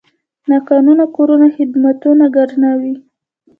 ناقانونه کورونه خدمتونه ګرانوي.